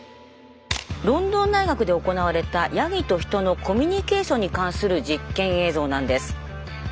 ロンドン大学で行われたヤギと人のコミュニケーションに関する実験映像なんです。